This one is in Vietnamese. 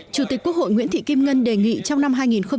chủ tịch quốc hội nguyễn thị kim ngân đề nghị trong năm hai nghìn một mươi bảy